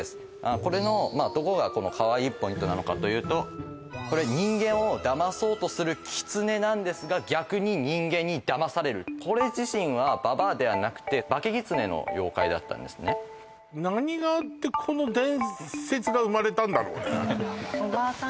これのどこがかわいいポイントなのかというと人間をだまそうとする狐なんですが逆に人間にだまされるこれ自身は婆ではなくて化け狐の妖怪だったんですね何があってこの伝説が生まれたんだろうねおばあさん